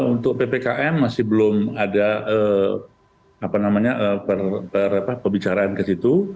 untuk ppkm masih belum ada apa namanya perbicaraan ke situ